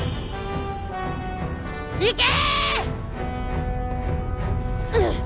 行け！